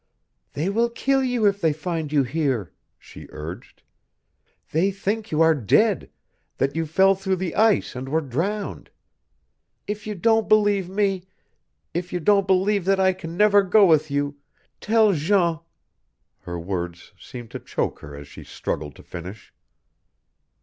"They will kill you if they find you here," she urged. "They think you are dead that you fell through the ice and were drowned. If you don't believe me, if you don't believe that I can never go with you, tell Jean " Her words seemed to choke her as she struggled to finish.